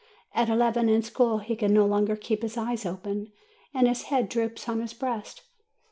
At eleven, in school, he can no longer keep his eyes open, and his head droops on his breast.